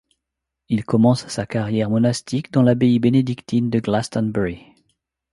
Il commence sa carrière monastique dans l'abbaye bénédictine de Glastonbury.